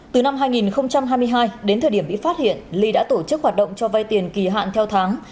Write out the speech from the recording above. từ năm hai nghìn hai mươi hai đến thời điểm bị phát hiện ly đã tổ chức hoạt động cho vay tiền kỳ hạn theo tháng